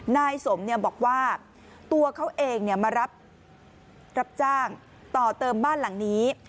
นายสมบอกว่าตัวเขาเองมารับจ้างต่อเติมบ้านหลังนี้